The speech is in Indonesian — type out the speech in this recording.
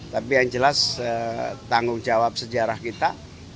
tapi yang jelas tanggung jawab sejarah kita